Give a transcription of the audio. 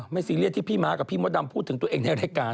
ซีเรียสที่พี่ม้ากับพี่มดดำพูดถึงตัวเองในรายการ